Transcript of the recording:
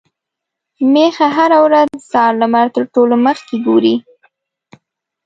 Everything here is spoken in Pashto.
ميښه هره ورځ د سهار لمر تر ټولو مخکې ګوري.